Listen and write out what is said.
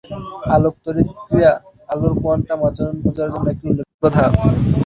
আলোক তড়িৎ ক্রিয়া আলোর কোয়ান্টাম আচরণ বোঝার জন্য একটি উল্লেখযোগ্য ধাপ।